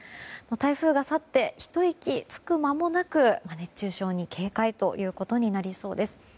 台風が去ってひと息つく間もなく熱中症に警戒ということになりそうです。